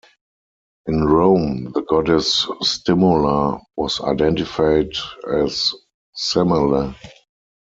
In Rome, the goddess Stimula was identified as Semele.